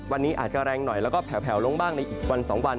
วันนี้อาจจะแรงหน่อยแล้วก็แผลวลงบ้างในอีกวัน๒วัน